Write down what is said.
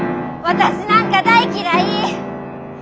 私なんか大嫌い！